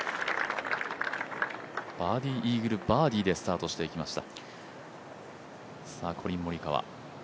バーディー、イーグル、バーディーでスタートしていきました。